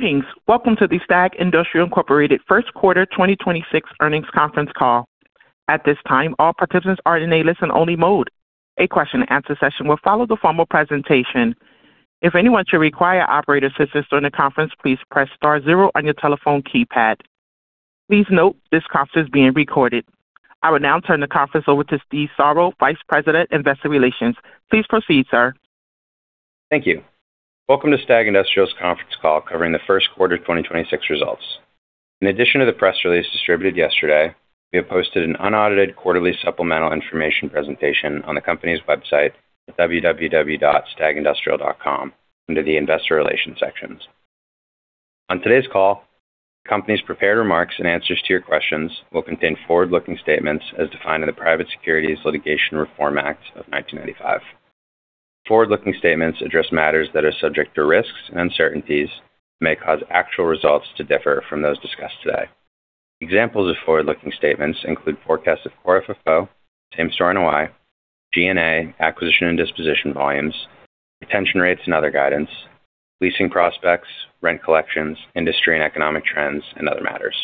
Greetings. Welcome to the STAG Industrial, Inc. First Quarter 2026 earnings conference call. At this time, all participants are in a listen-only mode. A question-and-answer session will follow the formal presentation. If anyone should require operator assistance during the conference, please press star zero on your telephone keypad. Please note this conference is being recorded. I will now turn the conference over to Steve Xiarhos, Vice President, Investor Relations. Please proceed, sir. Thank you. Welcome to STAG Industrial's conference call covering the first quarter 2026 results. In addition to the press release distributed yesterday, we have posted an unaudited quarterly supplemental information presentation on the company's website at www.stagindustrial.com under the Investor Relations sections. On today's call, the company's prepared remarks and answers to your questions will contain forward-looking statements as defined in the Private Securities Litigation Reform Act of 1995. Forward-looking statements address matters that are subject to risks and uncertainties that may cause actual results to differ from those discussed today. Examples of forward-looking statements include forecasts of Core FFO, Same-Store NOI, G&A, acquisition and disposition volumes, retention rates and other guidance, leasing prospects, rent collections, industry and economic trends, and other matters.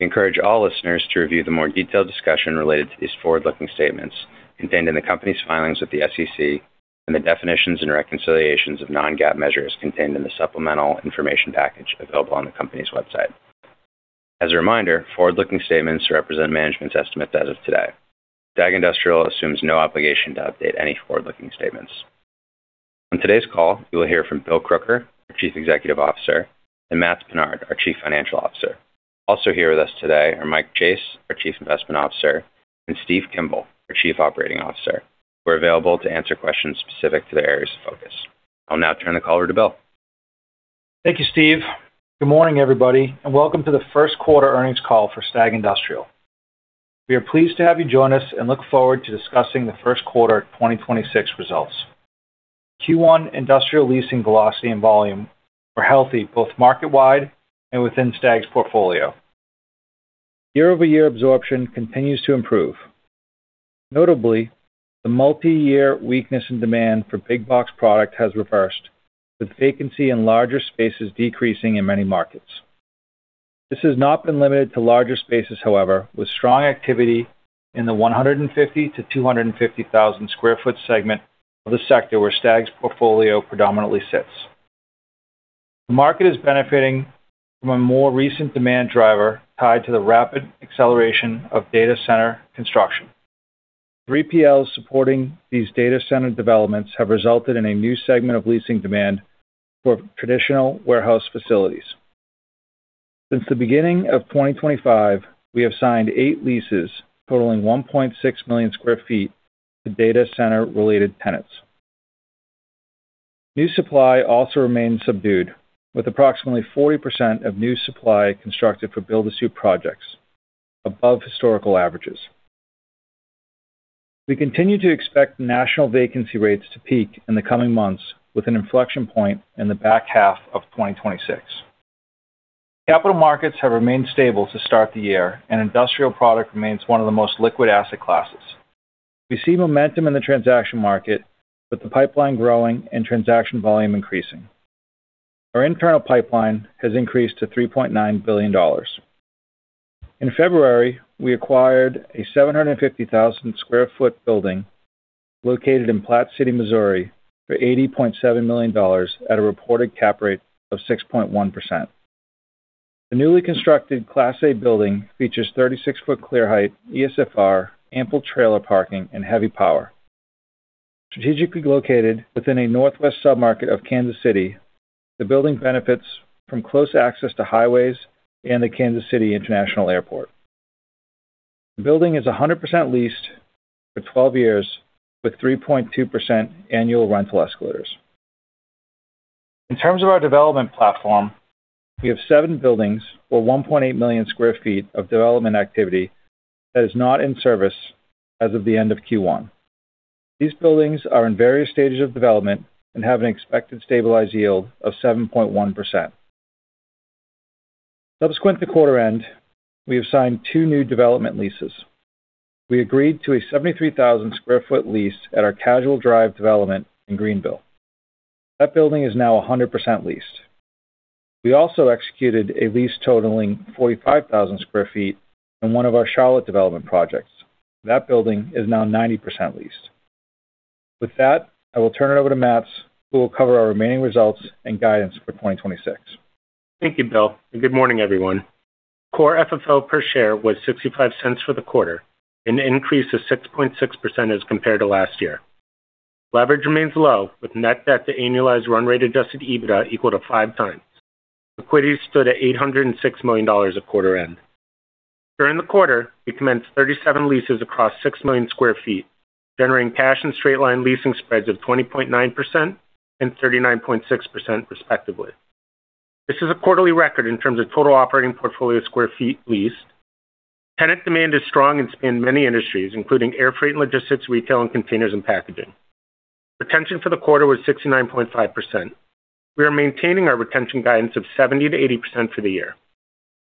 We encourage all listeners to review the more detailed discussion related to these forward-looking statements contained in the company's filings with the SEC and the definitions and reconciliations of non-GAAP measures contained in the supplemental information package available on the company's website. As a reminder, forward-looking statements represent management's estimates as of today. STAG Industrial assumes no obligation to update any forward-looking statements. On today's call, you will hear from Bill Crooker, our Chief Executive Officer, and Matts Pinard, our Chief Financial Officer. Also here with us today are Mike Chase, our Chief Investment Officer, and Steve Kimball, our Chief Operating Officer, who are available to answer questions specific to their areas of focus. I'll now turn the call over to Bill. Thank you, Steve. Good morning, everybody, and welcome to the first quarter earnings call for STAG Industrial. We are pleased to have you join us and look forward to discussing the first quarter of 2026 results. Q1 industrial leasing velocity and volume are healthy both market-wide and within STAG's portfolio. Year-over-year absorption continues to improve. Notably, the multi-year weakness in demand for big box product has reversed, with vacancy in larger spaces decreasing in many markets. This has not been limited to larger spaces, however, with strong activity in the 150,000-250,000 sq ft segment of the sector where STAG's portfolio predominantly sits. The market is benefiting from a more recent demand driver tied to the rapid acceleration of data center construction. 3PLs supporting these data center developments have resulted in a new segment of leasing demand for traditional warehouse facilities. Since the beginning of 2025, we have signed eight leases totaling 1.6 million sq ft to data center related tenants. New supply also remains subdued, with approximately 40% of new supply constructed for build to suit projects above historical averages. We continue to expect national vacancy rates to peak in the coming months with an inflection point in the back half of 2026. Capital markets have remained stable to start the year, and industrial product remains one of the most liquid asset classes. We see momentum in the transaction market with the pipeline growing and transaction volume increasing. Our internal pipeline has increased to $3.9 billion. In February, we acquired a 750,000 sq ft building located in Platte City, Missouri for $80.7 million at a reported cap rate of 6.1%. The newly constructed Class A building features 36-foot clear height, ESFR, ample trailer parking, and heavy power. Strategically located within a northwest submarket of Kansas City, the building benefits from close access to highways and the Kansas City International Airport. The building is 100% leased for 12 years with 3.2% annual rental escalators. In terms of our development platform, we have seven buildings or 1.8 million sq ft of development activity that is not in service as of the end of Q1. These buildings are in various stages of development and have an expected stabilized yield of 7.1%. Subsequent to quarter end, we have signed two new development leases. We agreed to a 73,000 sq ft lease at our Casual Drive development in Greenville. That building is now 100% leased. We also executed a lease totaling 45,000 sq ft in one of our Charlotte development projects. That building is now 90% leased. With that, I will turn it over to Matts, who will cover our remaining results and guidance for 2026. Thank you, Bill, good morning, everyone. Core FFO per share was $0.65 for the quarter, an increase of 6.6% as compared to last year. Leverage remains low, with net debt to annualized run rate adjusted EBITDA equal to 5x. Equity stood at $806 million at quarter end. During the quarter, we commenced 37 leases across 6 million sq ft, generating cash and straight line leasing spreads of 20.9% and 39.6% respectively. This is a quarterly record in terms of total operating portfolio square feet leased. Tenant demand is strong and it's in many industries, including air freight and logistics, retail, and containers and packaging. Retention for the quarter was 69.5%. We are maintaining our retention guidance of 70%-80% for the year.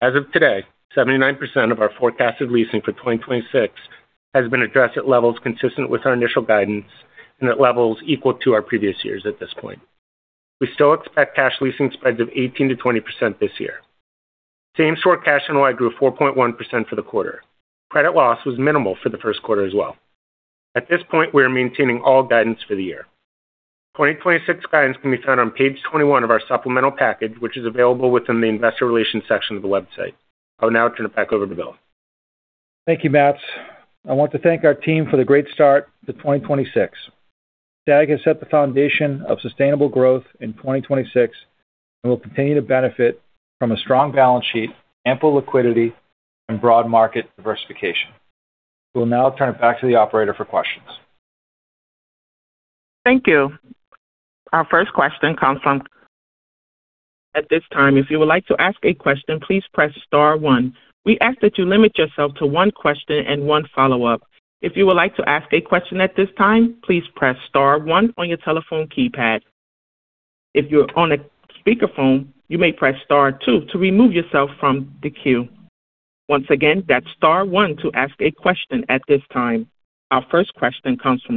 As of today, 79% of our forecasted leasing for 2026 has been addressed at levels consistent with our initial guidance and at levels equal to our previous years at this point. We still expect cash leasing spreads of 18%-20% this year. Same-Store Cash NOI grew 4.1% for the quarter. Credit loss was minimal for the first quarter as well. At this point, we are maintaining all guidance for the year. 2026 guidance can be found on page 21 of our supplemental package, which is available within the investor relations section of the website. I will now turn it back over to Bill. Thank you, Matts. I want to thank our team for the great start to 2026. STAG has set the foundation of sustainable growth in 2026 and will continue to benefit from a strong balance sheet, ample liquidity, and broad market diversification. We'll now turn it back to the operator for questions. Thank you. Our first question comes from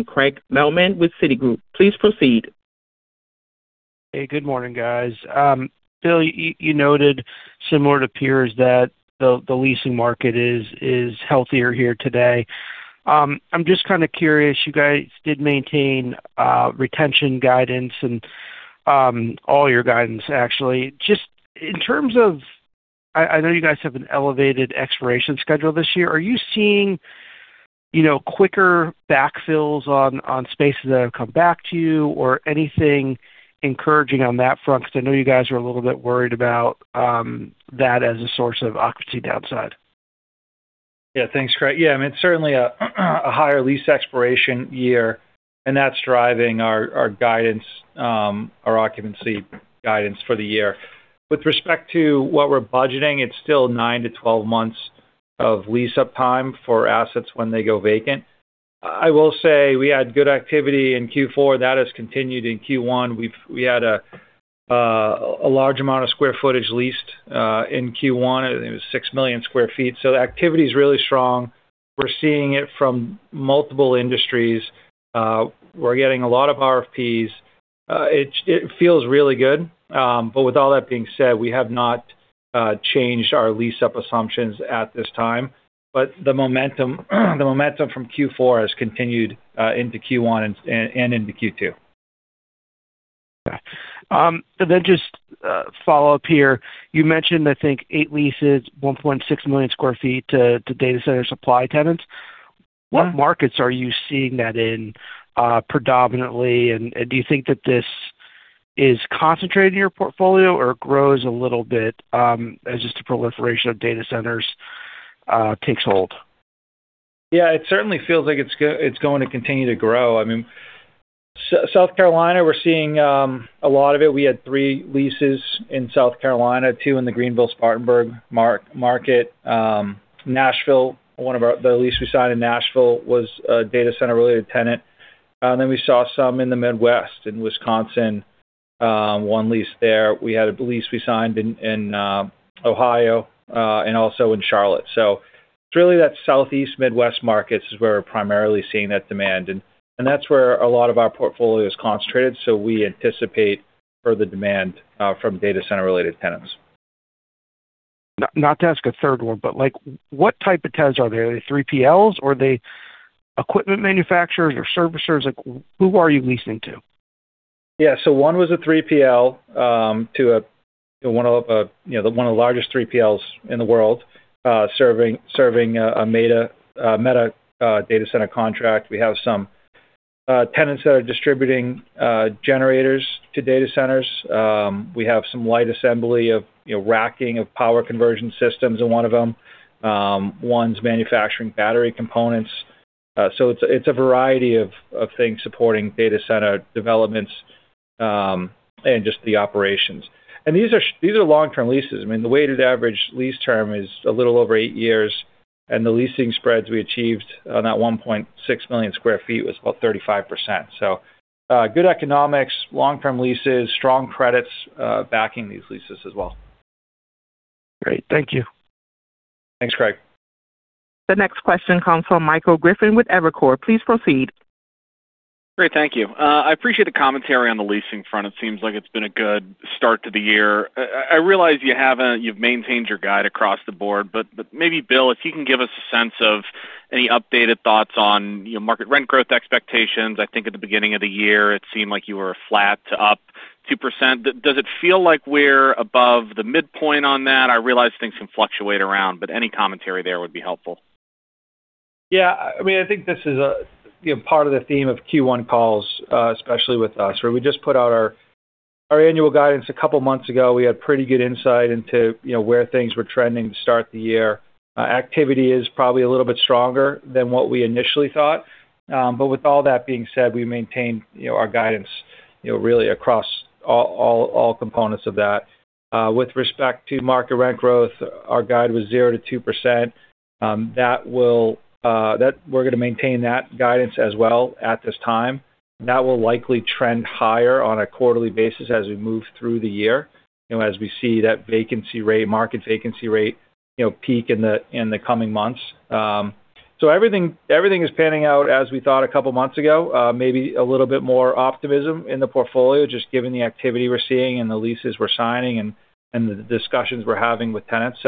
Craig Mailman with Citigroup. Please proceed. Hey, good morning, guys. Bill, you noted similar to peers that the leasing market is healthier here today. I'm just kind of curious, you guys did maintain retention guidance and all your guidance actually. I know you guys have an elevated expiration schedule this year. Are you seeing, you know, quicker backfills on spaces that have come back to you or anything encouraging on that front? I know you guys are a little bit worried about that as a source of occupancy downside. Thanks, Craig. I mean, it's certainly a higher lease expiration year, and that's driving our occupancy guidance for the year. With respect to what we're budgeting, it's still nine to 12 months of lease-up time for assets when they go vacant. I will say we had good activity in Q4. That has continued in Q1. We had a large amount of square footage leased in Q1. I think it was 6 million sq ft. The activity is really strong. We're seeing it from multiple industries. We're getting a lot of RFPs. It feels really good. With all that being said, we have not changed our lease-up assumptions at this time. The momentum from Q4 has continued into Q1 and into Q2. Okay. Just a follow-up here. You mentioned, I think eight leases, 1.6 million sq ft to data center supply tenants. Yeah. What markets are you seeing that in, predominantly? Do you think that this is concentrated in your portfolio or grows a little bit, as just the proliferation of data centers, takes hold? Yeah. It certainly feels like it's going to continue to grow. I mean, South Carolina, we're seeing a lot of it. We had three leases in South Carolina, two in the Greenville Spartanburg market. Nashville, the lease we signed in Nashville was a data center-related tenant. We saw some in the Midwest, in Wisconsin, one lease there. We had a lease we signed in Ohio, and also in Charlotte. It's really that Southeast, Midwest markets is where we're primarily seeing that demand. That's where a lot of our portfolio is concentrated. We anticipate further demand from data center-related tenants. Not to ask a third one, like, what type of tenants are there? Are they 3PLs or are they equipment manufacturers or servicers? Like, who are you leasing to? Yeah. One was a 3PL, to a, you know, one of, you know, one of the largest 3PLs in the world, serving a Meta data center contract. We have some tenants that are distributing generators to data centers. We have some light assembly of, you know, racking of power conversion systems in one of them. One's manufacturing battery components. It's a variety of things supporting data center developments and just the operations. These are long-term leases. I mean, the weighted average lease term is a little over eight years, the leasing spreads we achieved on that 1.6 million sq ft was about 35%. Good economics, long-term leases, strong credits backing these leases as well. Great. Thank you. Thanks, Craig. The next question comes from Michael Griffin with Evercore. Please proceed. Great. Thank you. I appreciate the commentary on the leasing front. It seems like it's been a good start to the year. I realize you've maintained your guide across the board. Maybe, Bill, if you can give us a sense of any updated thoughts on, you know, market rent growth expectations. I think at the beginning of the year, it seemed like you were flat to up 2%. Does it feel like we're above the midpoint on that? I realize things can fluctuate around, but any commentary there would be helpful. Yeah. I mean, I think this is, you know, part of the theme of Q1 calls, especially with us, where we just put out our annual guidance a couple months ago. We had pretty good insight into, you know, where things were trending to start the year. Activity is probably a little bit stronger than what we initially thought. With all that being said, we maintained, you know, our guidance, you know, really across all components of that. With respect to market rent growth, our guide was 0%-2%. That will, that we're gonna maintain that guidance as well at this time. That will likely trend higher on a quarterly basis as we move through the year, you know, as we see that vacancy rate, market vacancy rate, you know, peak in the coming months. Everything is panning out as we thought a couple of months ago, maybe a little bit more optimism in the portfolio, just given the activity we're seeing and the leases we're signing and the discussions we're having with tenants.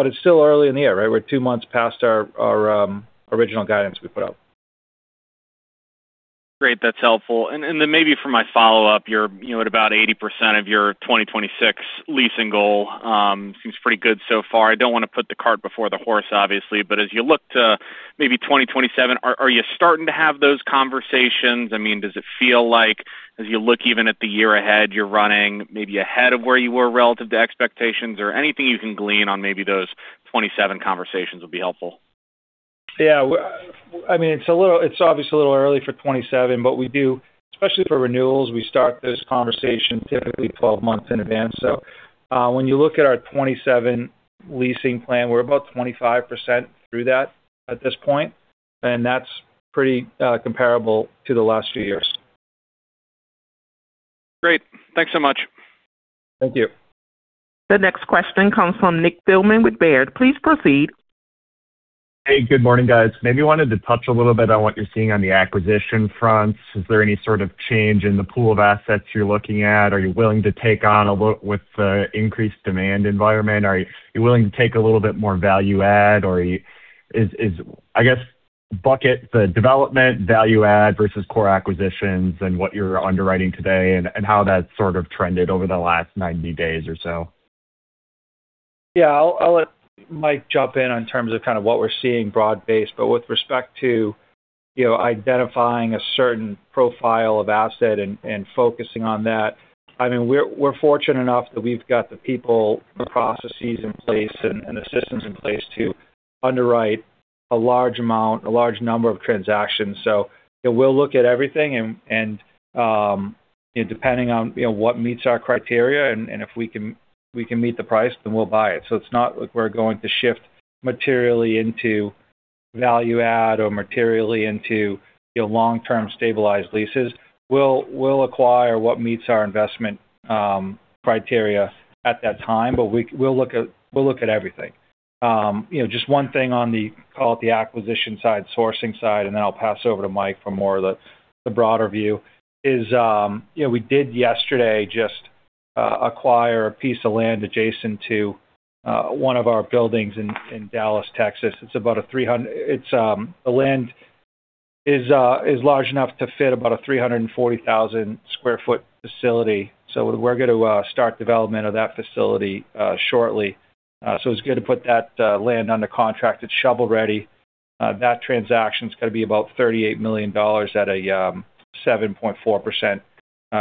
It's still early in the year, right? We're two months past our original guidance we put out. Great. That's helpful. Then maybe for my follow-up, you know, at about 80% of your 2026 leasing goal, seems pretty good so far. I don't want to put the cart before the horse, obviously. As you look to maybe 2027, are you starting to have those conversations? I mean, does it feel like as you look even at the year ahead, you're running maybe ahead of where you were relative to expectations or anything you can glean on maybe those 27 conversations would be helpful. Yeah. I mean, it's obviously a little early for 2027, but we do, especially for renewals, we start those conversations typically 12 months in advance. When you look at our 2027 leasing plan, we're about 25% through that at this point, and that's pretty comparable to the last few years. Great. Thanks so much. Thank you. The next question comes from Nick Thillman with Baird. Please proceed. Hey, good morning, guys. Maybe you wanted to touch a little bit on what you're seeing on the acquisition front. Is there any sort of change in the pool of assets you're looking at? Are you willing to take on with the increased demand environment? Are you willing to take a little bit more value add? Or is, I guess bucket the development value add versus core acquisitions and what you're underwriting today and how that sort of trended over the last 90 days or so. Yeah. I'll let Mike jump in in terms of what we're seeing broad-based. With respect to, you know, identifying a certain profile of asset and focusing on that, I mean, we're fortunate enough that we've got the people, the processes in place and the systems in place to underwrite a large number of transactions. You know, we'll look at everything and, you know, depending on, you know, what meets our criteria and if we can meet the price, then we'll buy it. It's not like we're going to shift materially into value add or materially into, you know, long-term stabilized leases. We'll acquire what meets our investment criteria at that time, but we'll look at everything. You know, just one thing on the acquisition side, sourcing side, and then I'll pass over to Mike for more of the broader view is, you know, we did yesterday just acquire a piece of land adjacent to one of our buildings in Dallas, Texas. The land is large enough to fit about a 340,000 sq ft facility. We're gonna start development of that facility shortly. It's good to put that land under contract. It's shovel-ready. That transaction's gonna be about $38 million at a 7.4%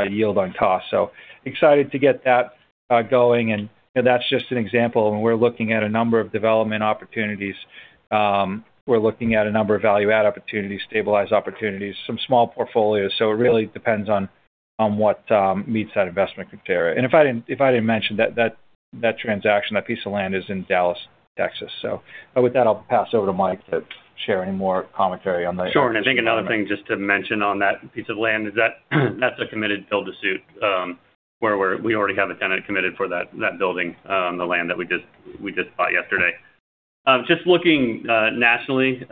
yield on cost. Excited to get that going. You know, that's just an example. We're looking at a number of development opportunities. We're looking at a number of value add opportunities, stabilized opportunities, some small portfolios. It really depends on what meets that investment criteria. If I didn't mention that transaction, that piece of land is in Dallas, Texas. With that, I'll pass over to Mike to share any more commentary on the. Sure. I think another thing just to mention on that piece of land is that that's a committed build to suit, where we already have a tenant committed for that building, the land that we just bought yesterday. Just looking nationally,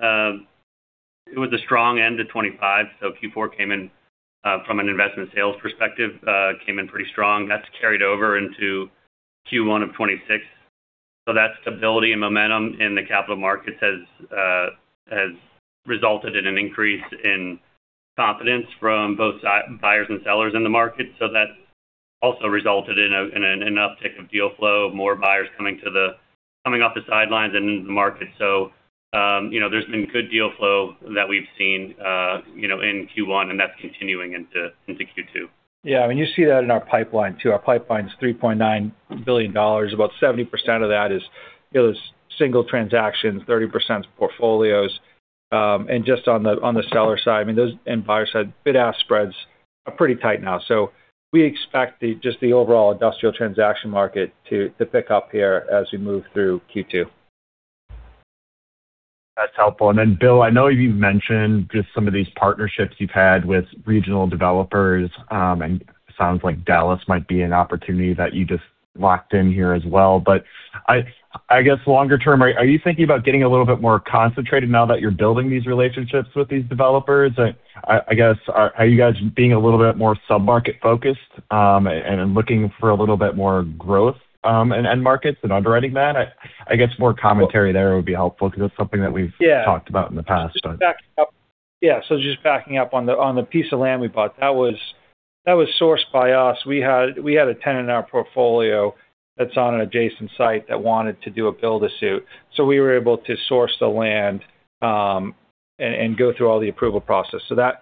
it was a strong end to 2025. Q4 came in from an investment sales perspective, came in pretty strong. That's carried over into Q1 of 2026. That stability and momentum in the capital markets has resulted in an increase in confidence from both buyers and sellers in the market. That also resulted in an uptick of deal flow, more buyers coming off the sidelines and into the market. You know, there's been good deal flow that we've seen, you know, in Q1, and that's continuing into Q2. Yeah. I mean, you see that in our pipeline too. Our pipeline is $3.9 billion. About 70% of that is, you know, single transactions, 30% is portfolios. And just on the, on the seller side, I mean, and buyer side, bid-ask spreads are pretty tight now. We expect just the overall industrial transaction market to pick up here as we move through Q2. That's helpful. Then, Bill, I know you've mentioned just some of these partnerships you've had with regional developers, and sounds like Dallas might be an opportunity that you just locked in here as well. I guess longer term, are you thinking about getting a little bit more concentrated now that you're building these relationships with these developers? I guess, are you guys being a little bit more sub-market focused, and looking for a little bit more growth, in end markets and underwriting that? I guess more commentary there would be helpful because that's something that we've. Yeah. Talked about in the past. Backing up. Yeah. Just backing up on the, on the piece of land we bought, that was sourced by us. We had a tenant in our portfolio that's on an adjacent site that wanted to do a build to suit. We were able to source the land and go through all the approval process. That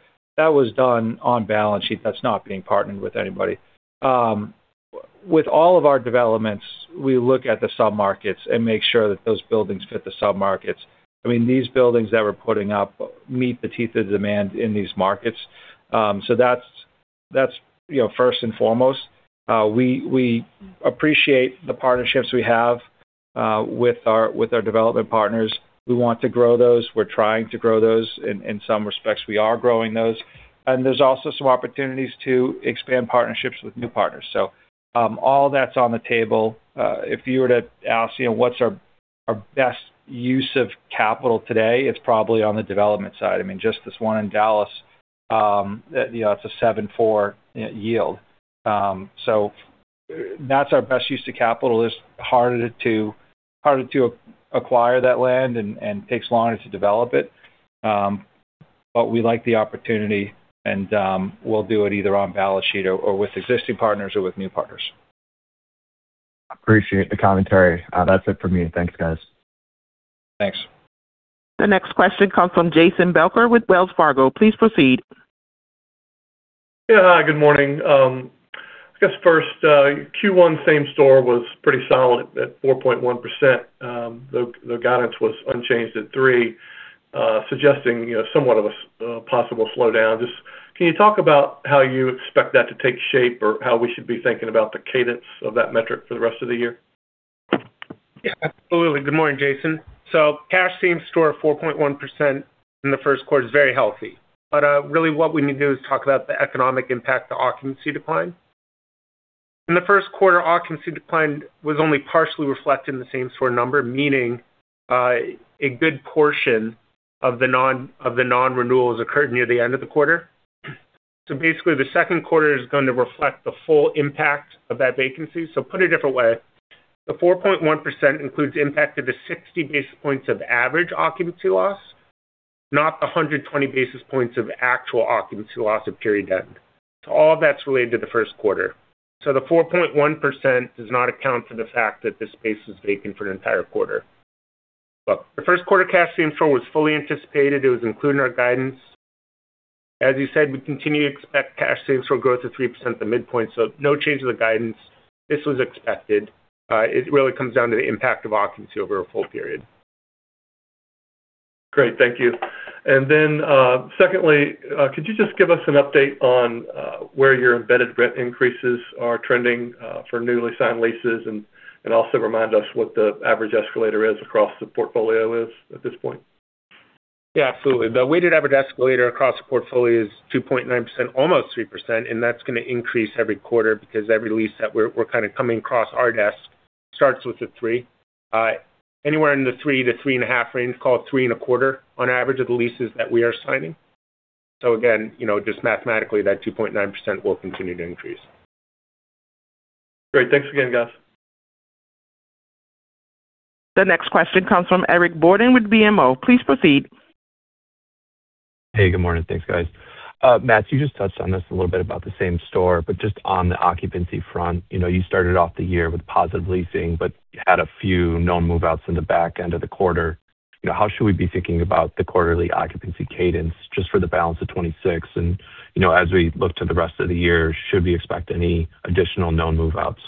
was done on balance sheet. That's not being partnered with anybody. With all of our developments, we look at the submarkets and make sure that those buildings fit the submarkets. I mean, these buildings that we're putting up meet the teeth of demand in these markets. That's, you know, first and foremost. We appreciate the partnerships we have with our development partners. We want to grow those. We're trying to grow those. In some respects, we are growing those. There's also some opportunities to expand partnerships with new partners. All that's on the table. If you were to ask, you know, what's our best use of capital today, it's probably on the development side. I mean, just this one in Dallas. That, you know, that's a 7.4% yield. That's our best use of capital. It's harder to acquire that land and takes longer to develop it. We like the opportunity, and we'll do it either on balance sheet or with existing partners or with new partners. Appreciate the commentary. That's it for me. Thanks, guys. Thanks. The next question comes from Jason Belcher with Wells Fargo. Please proceed. Yeah. Hi, good morning. I guess first, Q1 Same-Store was pretty solid at 4.1%. The guidance was unchanged at 3%, suggesting, you know, somewhat of a possible slowdown. Can you talk about how you expect that to take shape or how we should be thinking about the cadence of that metric for the rest of the year? Yeah, absolutely. Good morning, Jason. Cash Same-Store at 4.1% in the first quarter is very healthy. Really what we need to do is talk about the economic impact to occupancy decline. In the first quarter, occupancy decline was only partially reflected in the Same-Store number, meaning a good portion of the non-renewals occurred near the end of the quarter. Basically, the second quarter is going to reflect the full impact of that vacancy. Put a different way, the 4.1% includes impact of the 60 basis points of average occupancy loss, not the 120 basis points of actual occupancy loss of period end. All of that's related to the first quarter. The 4.1% does not account for the fact that the space was vacant for an entire quarter. Look, the first quarter cash flow was fully anticipated. It was included in our guidance. As you said, we continue to expect cash flow growth of 3% at the midpoint, no change to the guidance. This was expected. It really comes down to the impact of occupancy over a full period. Great. Thank you. Secondly, could you just give us an update on where your embedded rent increases are trending for newly signed leases and also remind us what the average escalator is across the portfolio is at this point? Yeah, absolutely. The weighted average escalator across the portfolio is 2.9%, almost 3%, and that's gonna increase every quarter because every lease that we're kind of coming across our desk starts with a 3%. Anywhere in the 3%-3.5% range, call it 3.25% on average of the leases that we are signing. Again, you know, just mathematically, that 2.9% will continue to increase. Great. Thanks again, guys. The next question comes from Eric Borden with BMO. Please proceed. Hey, good morning. Thanks, guys. Matts, you just touched on this a little bit about the Same-Store, but just on the occupancy front, you know, you started off the year with positive leasing, but you had a few known move-outs in the back end of the quarter. You know, how should we be thinking about the quarterly occupancy cadence just for the balance of 2026? You know, as we look to the rest of the year, should we expect any additional known move-outs?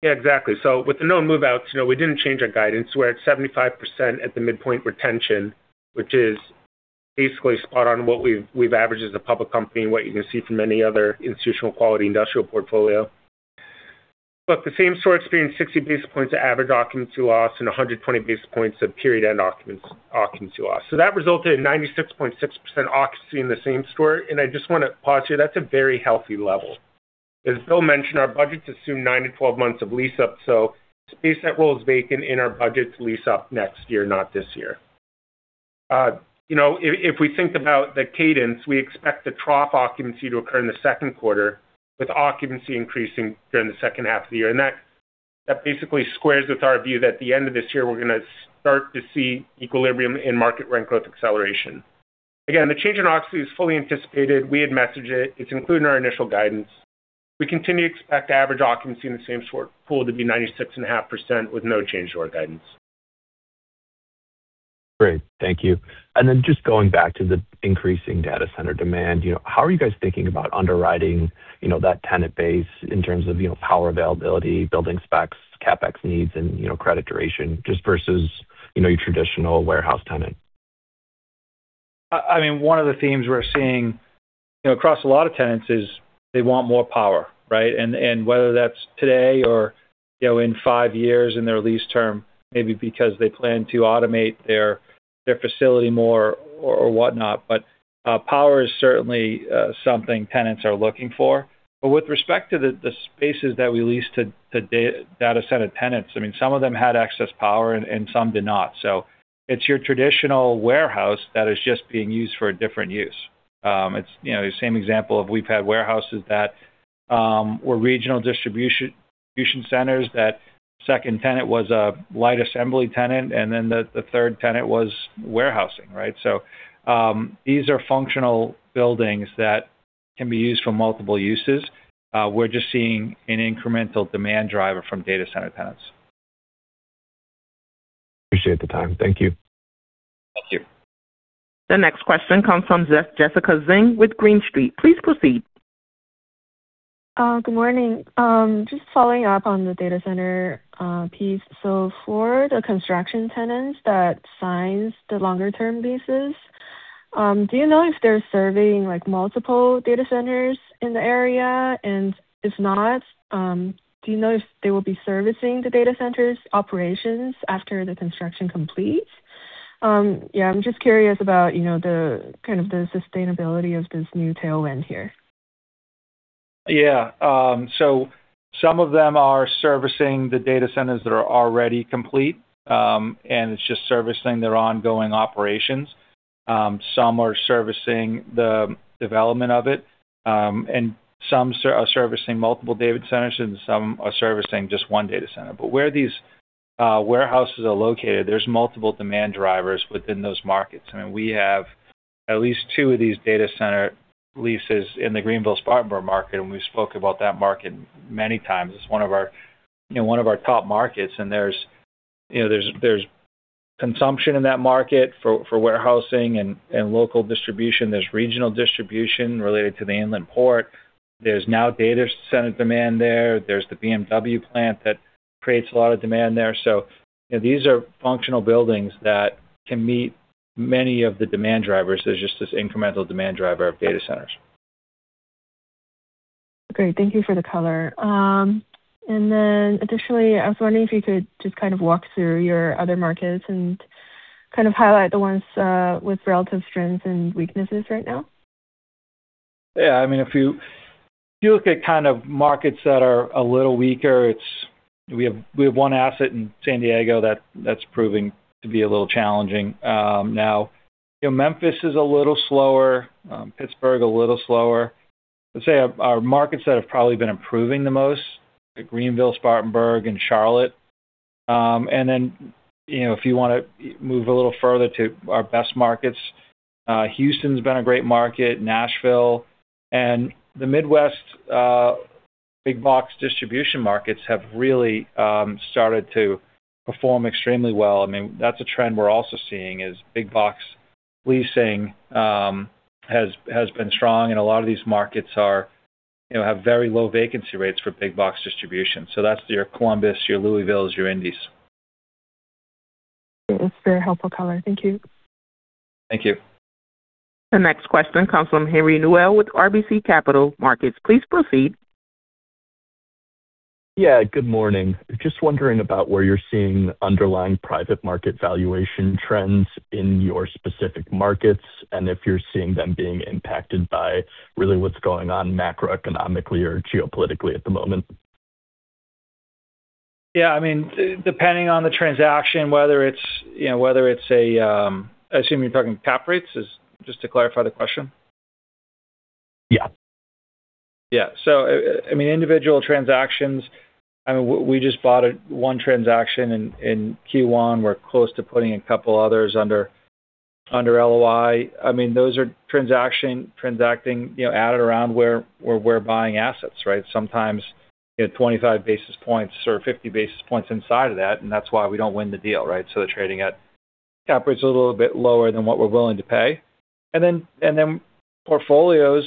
Yeah, exactly. With the known move-outs, you know, we didn't change our guidance. We're at 75% at the midpoint retention, which is basically spot on what we've averaged as a public company and what you're gonna see from any other institutional quality industrial portfolio. The Same-Store experienced 60 basis points of average occupancy loss and 120 basis points of period end occupancy loss. That resulted in 96.6% occupancy in the Same-Store, and I just wanna pause here. That's a very healthy level. As Bill mentioned, our budgets assume nine to 12 months of lease up, so space that was vacant in our budget to lease up next year, not this year. You know, if we think about the cadence, we expect the trough occupancy to occur in the second quarter, with occupancy increasing during the second half of the year. That basically squares with our view that at the end of this year we're gonna start to see equilibrium in market rent growth acceleration. Again, the change in occupancy is fully anticipated. We had messaged it. It's included in our initial guidance. We continue to expect average occupancy in the Same-Store pool to be 96.5% with no change to our guidance. Great. Thank you. Just going back to the increasing data center demand, you know, how are you guys thinking about underwriting, you know, that tenant base in terms of, you know, power availability, building specs, CapEx needs, and, you know, credit duration, just versus, you know, your traditional warehouse tenant? I mean, one of the themes we're seeing, you know, across a lot of tenants is they want more power, right? Whether that's today or, you know, in five years in their lease term, maybe because they plan to automate their facility more or whatnot. Power is certainly something tenants are looking for. With respect to the spaces that we lease to data center tenants, I mean, some of them had excess power and some did not. It's your traditional warehouse that is just being used for a different use. It's, you know, the same example of we've had warehouses that were regional distribution centers, that second tenant was a light assembly tenant, and then the third tenant was warehousing, right? These are functional buildings that can be used for multiple uses. We're just seeing an incremental demand driver from data center tenants. Appreciate the time. Thank you. Thank you. The next question comes from Jessica Zheng with Green Street. Please proceed. Good morning. Just following up on the data center piece. For the construction tenants that signs the longer term leases, do you know if they're serving, like, multiple data centers in the area? If not, do you know if they will be servicing the data centers' operations after the construction completes? Yeah, I'm just curious about, you know, the kind of the sustainability of this new tailwind here. Yeah. Some of them are servicing the data centers that are already complete, and it's just servicing their ongoing operations. Some are servicing the development of it, and some are servicing multiple data centers, and some are servicing just one data center. Where these warehouses are located, there's multiple demand drivers within those markets. I mean, we have at least two of these data center leases in the Greenville-Spartanburg market, and we spoke about that market many times. It's one of our, you know, one of our top markets, and there's, you know, there's consumption in that market for warehousing and local distribution. There's regional distribution related to the inland port. There's now data center demand there. There's the BMW plant that creates a lot of demand there. You know, these are functional buildings that can meet many of the demand drivers. There's just this incremental demand driver of data centers. Great. Thank you for the color. Additionally, I was wondering if you could just kind of walk through your other markets and kind of highlight the ones with relative strengths and weaknesses right now. Yeah. I mean, if you, if you look at kind of markets that are a little weaker, it's. We have one asset in San Diego that's proving to be a little challenging. Now, you know, Memphis is a little slower, Pittsburgh a little slower. I'd say our markets that have probably been improving the most are Greenville, Spartanburg, and Charlotte. You know, if you wanna move a little further to our best markets, Houston's been a great market, Nashville. The Midwest big box distribution markets have really started to perform extremely well. I mean, that's a trend we're also seeing is big box leasing has been strong, and a lot of these markets are, you know, have very low vacancy rates for big box distribution. That's your Columbus, your Louisville, your Indy. It's very helpful color. Thank you. Thank you. The next question comes from Noel Reyes with RBC Capital Markets. Please proceed. Yeah, good morning. Just wondering about where you're seeing underlying private market valuation trends in your specific markets and if you're seeing them being impacted by really what's going on macroeconomically or geopolitically at the moment? Yeah. I mean, depending on the transaction, whether it's, you know. I assume you're talking cap rates. Just to clarify the question. Yeah. Yeah. I mean, individual transactions, I mean, we just bought one transaction in Q1. We're close to putting a couple others under LOI. I mean, those are transacting, you know, at and around where we're buying assets, right? Sometimes, you know, 25 basis points or 50 basis points inside of that, and that's why we don't win the deal, right? They're trading at cap rates a little bit lower than what we're willing to pay. Portfolios,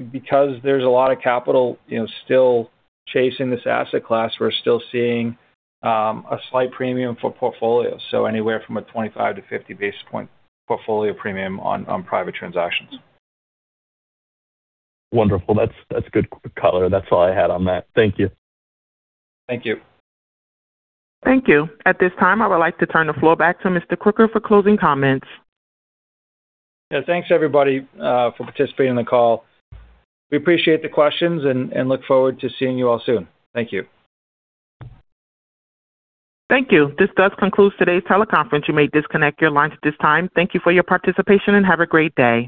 because there's a lot of capital, you know, still chasing this asset class, we're still seeing a slight premium for portfolios. Anywhere from a 25-50 basis point portfolio premium on private transactions. Wonderful. That's, that's good color. That's all I had on that. Thank you. Thank you. Thank you. At this time, I would like to turn the floor back to Mr. Crooker for closing comments. Thanks everybody, for participating in the call. We appreciate the questions and look forward to seeing you all soon. Thank you. Thank you. This does conclude today's teleconference. You may disconnect your lines at this time. Thank you for your participation, and have a great day.